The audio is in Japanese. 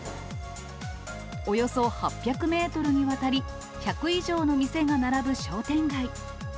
およそ８００メートルにわたり、１００以上の店が並ぶ商店街。